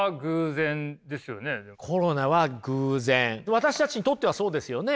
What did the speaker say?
私たちにとってはそうですよね。